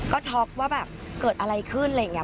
ก็ช็อกว่าแบบเกิดอะไรขึ้นอะไรอย่างนี้